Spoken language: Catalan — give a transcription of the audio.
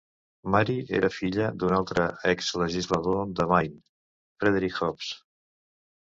Mary era filla d'un altre exlegislador de Maine, Frederick Hobbs.